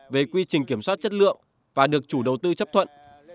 về quy trình kiểm soát chất lượng và được chủ đầu tư chấp thuận